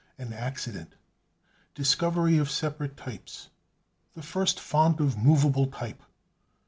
An Accident. Discovery of Separate Types. The First Font of Movable Type.